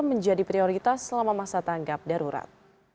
menjadi prioritas selama masa tanggap darurat